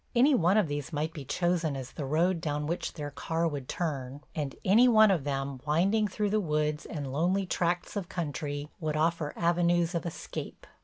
Any one of these might be chosen as the road down which their car would turn, and any one of them, winding through woods and lonely tracts of country, would offer avenues of escape.